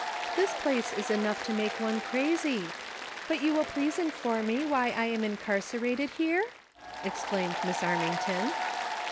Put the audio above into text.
This place is enough to make one crazy ; but will you please inform me why 1 am incarcerated here V" exclaimed Miss Armington.